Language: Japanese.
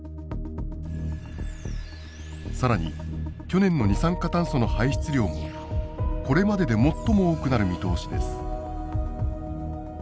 更に去年の二酸化炭素の排出量もこれまでで最も多くなる見通しです。